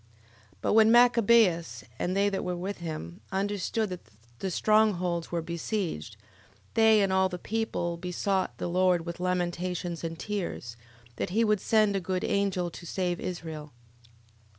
11:6. But when Machabeus, and they that were with him, understood that the strong holds were besieged, they and all the people besought the Lord with lamentations and tears, that he would send a good angel to save Israel.